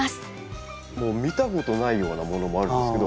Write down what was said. もう見たことないようなものもあるんですけど。